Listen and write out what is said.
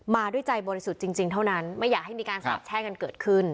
มาด้วยใจบริสุทธิ์จริงเท่านั้นไม่อยากให้มีการสาบแช่งกันเกิดขึ้น